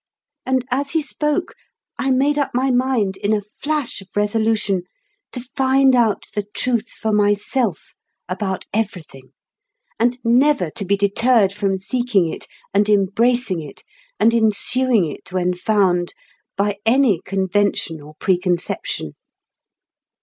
And as he spoke, I made up my mind, in a flash of resolution, to find out the Truth for myself about everything, and never to be deterred from seeking it, and embracing it, and ensuing it when found, by any convention or preconception.